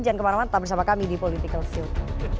jangan kemana mana tetap bersama kami di political show